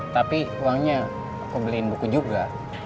tapi uangnya aku beliin buku juga